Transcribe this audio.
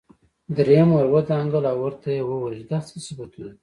دريم ور ودانګل او ورته يې وويل چې دا څه صفتونه دي.